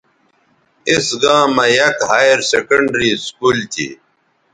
اِس گاں مہ یک ہائیر سیکنڈری سکول تھی